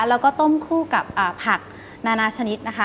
แล้วก็ต้มคู่กับผักนานาชนิดนะคะ